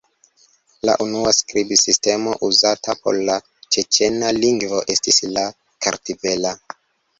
La unua skribsistemo uzata por la ĉeĉena lingvo estis la kartvela.